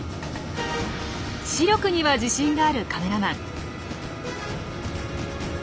視力には自信があるカメラマン。